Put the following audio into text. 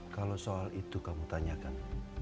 kalau soal itu kamu tanyakan